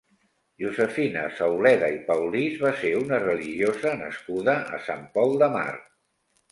Josefina Sauleda i Paulís va ser una religiosa nascuda a Sant Pol de Mar.